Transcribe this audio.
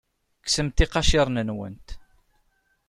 Kksemt iqaciren-nwent.